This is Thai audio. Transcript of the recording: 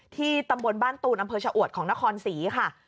ตำบลบ้านตูนอำเภอชะอวดของนครศรีค่ะ